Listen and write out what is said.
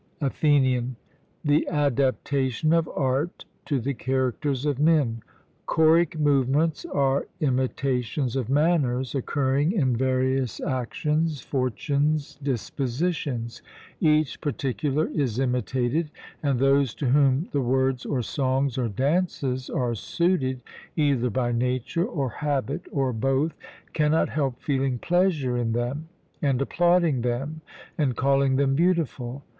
ATHENIAN: The adaptation of art to the characters of men. Choric movements are imitations of manners occurring in various actions, fortunes, dispositions, each particular is imitated, and those to whom the words, or songs, or dances are suited, either by nature or habit or both, cannot help feeling pleasure in them and applauding them, and calling them beautiful.